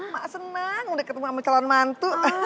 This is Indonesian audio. ma senang udah ketemu ama calon mantu